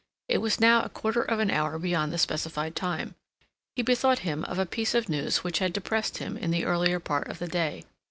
It was now a quarter of an hour beyond the specified time. He bethought him of a piece of news which had depressed him in the earlier part of the day.